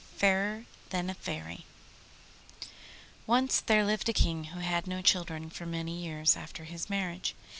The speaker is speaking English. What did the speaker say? FAIRER THAN A FAIRY Once there lived a King who had no children for many years after his marriage.